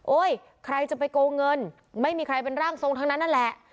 ใครจะไปโกงเงินไม่มีใครเป็นร่างทรงทั้งนั้นนั่นแหละ